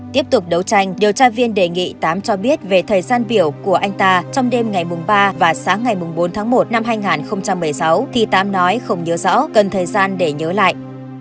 tiếp tục đấu tranh điều tra viên đề nghị tám cho biết về thời gian biểu của anh ta trong đêm ngày ba và sáng ngày bốn tháng một năm hai nghìn một mươi sáu thì tám nói không nhớ rõ cần thời gian để nhớ lại